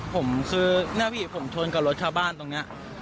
ผมคือเนี่ยพี่ผมชนกับรถชาวบ้านตรงนี้